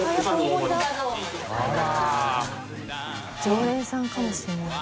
常連さんかもしれない。